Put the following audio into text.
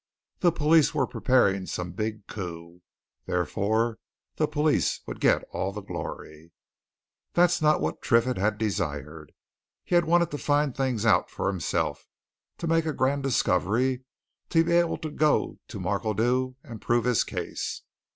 The police were preparing some big coup. Therefore the police would get all the glory. This was not what Triffitt had desired. He had wanted to find things out for himself, to make a grand discovery, to be able to go to Markledew and prove his case.